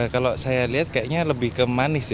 kalau saya lihat kayaknya lebih ke manis ya